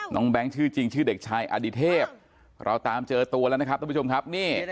น้องแบงค์ชื่อจริงชื่อเด็กชายอดิเทพเราตามเจอตัวแล้วนะครับท่านผู้ชมครับ